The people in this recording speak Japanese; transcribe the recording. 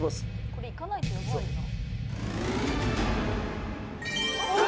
これいかないとやばいな。